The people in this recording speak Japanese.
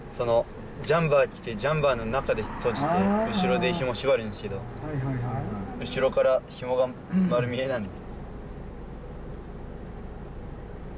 ジャンバー着てジャンバーの中で閉じて後ろでひも縛るんですけど後ろからひもが丸見えなんで。